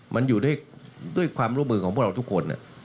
มันอยู่ด้วยความร่วมมือของพวกเราทุกคน